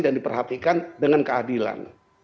dan diperhatikan dengan keadilan